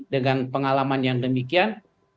dengan pengalaman yang demikian